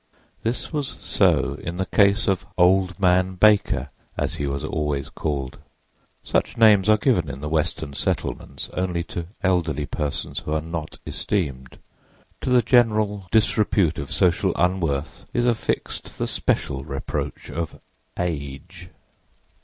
This was so in the case of "old man Baker," as he was always called. (Such names are given in the western "settlements" only to elderly persons who are not esteemed; to the general disrepute of social unworth is affixed the special reproach of age.)